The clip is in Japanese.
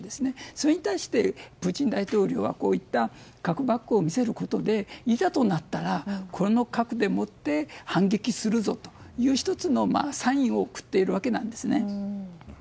それに対してプーチン大統領はこういった核バッグを見せることでいざとなったらこの核で反撃するぞという１つのサインを送っているわけなんですね。